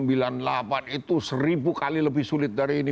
itu seribu kali lebih sulit dari ini